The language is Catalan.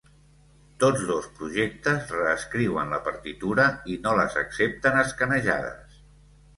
Tots dos projectes reescriuen la partitura i no les accepten escanejades.